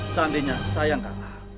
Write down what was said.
seandainya saya yang kalah